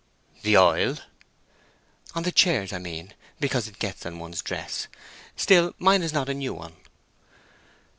"The oil?" "On the chairs, I mean; because it gets on one's dress. Still, mine is not a new one."